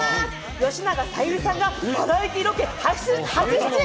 吉永小百合さんがバラエティーロケ初出演！